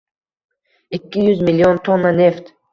Ikki yuz million tonna neft